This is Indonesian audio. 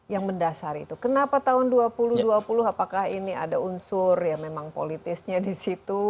yang mendasar itu kenapa tahun dua ribu dua puluh apakah ini ada unsur ya memang politisnya di situ